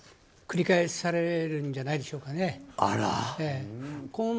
繰り返されるんじゃないでしょうかね。